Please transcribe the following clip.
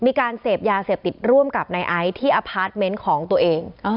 มีการเสพยาเสพติดร่วมกับนายไอซ์ที่อพาร์ทเมนต์ของตัวเอง